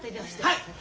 はい！